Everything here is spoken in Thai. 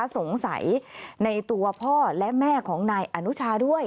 สงสัยในตัวพ่อและแม่ของนายอนุชาด้วย